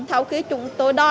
theo khi chúng tôi đo